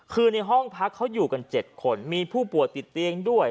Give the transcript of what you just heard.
คือในห้องพักเขาอยู่กัน๗คนมีผู้ป่วยติดเตียงด้วย